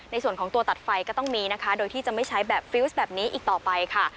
ในส่วนของตัวตัดไฟก็ต้องมีนะคะโดยที่จะไม่ใช้แบบฟิลส์แบบนี้อีกต่อไปค่ะ